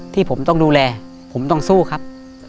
ที่ผมต้องดูแลผมต้องสู้ครับ